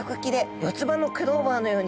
四つ葉のクローバーのように。